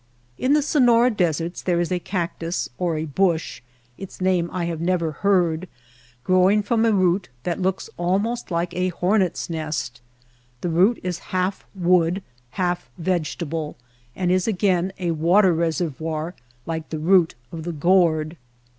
In the Sonora deserts there is a cactus or a bush (its name I have never heard) growing from a root that looks almost like a horneVs nest. This root is half wood, half vegetable, and is again a water reservoir like the root of the gourd.